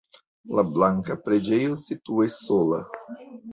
La blanka preĝejo situas sola.